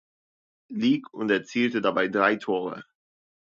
Lig und erzielte dabei drei Tore.